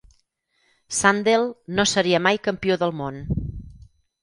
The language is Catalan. Sandel no seria mai campió del món.